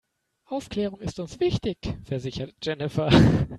Aufklärung ist uns wichtig, versichert Jennifer.